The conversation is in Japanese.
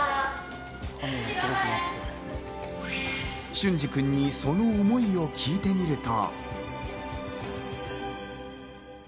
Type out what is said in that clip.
隼司君にその思いを聞いてみると。